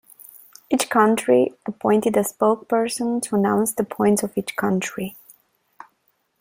Each country appointed a spokesperson to announce the points of each country.